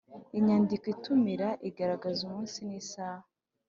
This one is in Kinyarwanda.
Inyandiko itumira igaragaza umunsi n isaha